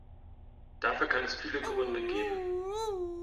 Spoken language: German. Dafür kann es viele Gründe geben.